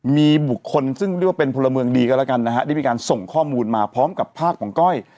มีบุคคลซึ่งเรียกว่าเป็นพลเมืองดีก็แล้วกันนะฮะได้มีการส่งข้อมูลมาพร้อมกับภาพของก้อย